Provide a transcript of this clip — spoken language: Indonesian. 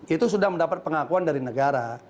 itu sudah mendapat pengakuan dari negara